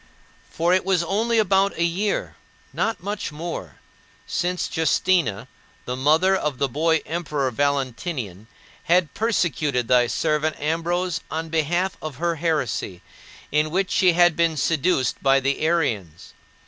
For it was only about a year not much more since Justina, the mother of the boy emperor Valentinian, had persecuted thy servant Ambrose on behalf of her heresy, in which she had been seduced by the Arians.